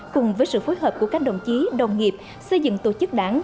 cùng với sự phối hợp của các đồng chí đồng nghiệp xây dựng tổ chức đảng